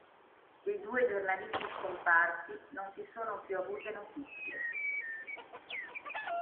Dei due giornalisti scomparsi non si sono più avute notizie.